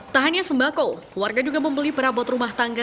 tak hanya sembako warga juga membeli perabot rumah tangga